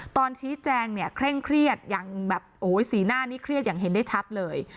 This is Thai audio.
ตอนชี้แจงเนี่ยเคร่งเครียดอย่างแบบโอ้ยสีหน้านี่เครียดอย่างเห็นได้ชัดเลย